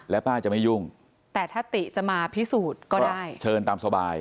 ป้าจะไม่ยุ่งแต่ถ้าติจะมาพิสูจน์ก็ได้เชิญตามสบาย